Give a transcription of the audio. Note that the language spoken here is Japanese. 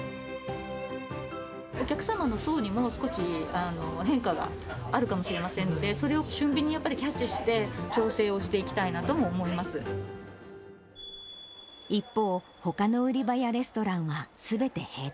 お客様の層にも、少し変化があるかもしれませんので、それを俊敏にやっぱりキャッチして、調整をしていきたいなとも思一方、ほかの売り場やレストランはすべて閉店。